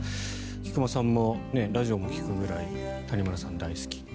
菊間さんもラジオも聞くくらい谷村さん大好き。